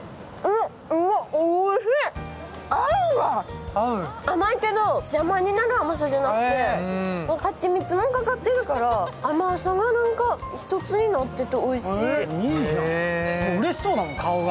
合うわ、甘いけど、邪魔になる甘さじゃなくて、はちみつもかかっているから、甘さも一つになってておいしい。